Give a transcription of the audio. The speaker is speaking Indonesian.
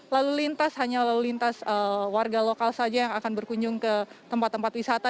lalu lintas hanya lalu lintas warga lokal saja yang akan berkunjung ke tempat tempat wisata